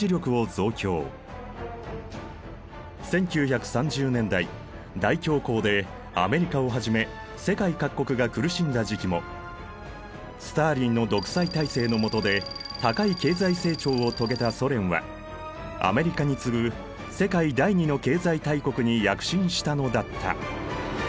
その後１９３０年代大恐慌でアメリカをはじめ世界各国が苦しんだ時期もスターリンの独裁体制のもとで高い経済成長を遂げたソ連はアメリカに次ぐ世界第２の経済大国に躍進したのだった。